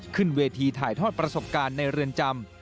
ขึ้นเวทีถ่ายทอดประสบการณ์ในเรือนจำ